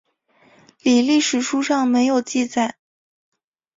李历史书上没有记载。